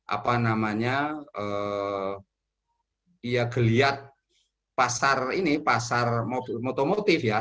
apa namanya ya geliat pasar ini pasar otomotif ya